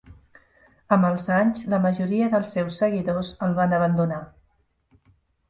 Amb els anys, la majoria dels seus seguidors el van abandonar.